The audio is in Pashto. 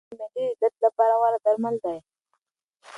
دا مېوه د معدې د درد لپاره غوره درمل دی.